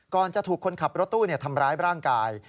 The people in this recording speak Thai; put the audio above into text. จะถูกคนขับรถตู้ทำร้ายร่างกาย